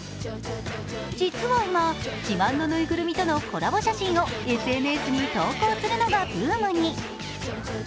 実は今、自慢のぬいぐるみとのコラボ写真をＳＮＳに投稿するのがブームに。